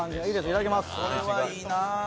いただきます。